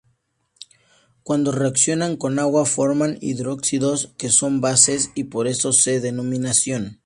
Cuando reaccionan con agua forman hidróxidos, que son bases, y por eso su denominación.